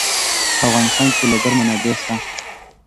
په افغانستان کې د لوگر منابع شته.